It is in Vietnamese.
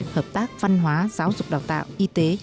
hợp tác văn hóa giáo dục đào tạo y tế